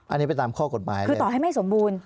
อันนี้ไปตามข้อกฎหมายคือต่อให้ไม่สมบูรณ์